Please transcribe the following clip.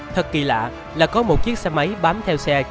thật kỳ lạ là có một chiếc xe máy bám theo xe chở đồ rất sát